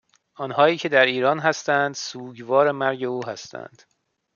آنهایی که در ایران هستند سوگوار مرگ او هستند